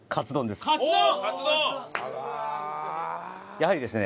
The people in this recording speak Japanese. やはりですね